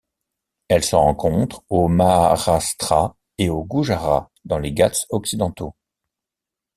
Elle se rencontre au Maharashtra et au Gujarat dans les Ghâts occidentaux.